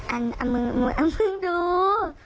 อ่ะมึงมึงดู